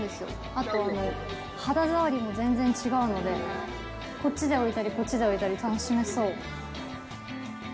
あと、肌触りも全然違うのでこっちで置いたり、こっちで置いたり楽しめそう。